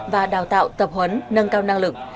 và đào tạo tập huấn nâng cao năng lực